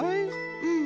うん。